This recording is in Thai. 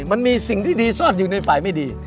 มันมีสิ่งที่ดีซ่อนอยู่ในฝ่ายไม่ดี